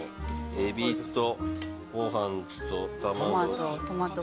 エビとご飯と卵。